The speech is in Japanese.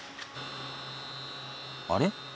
あれ？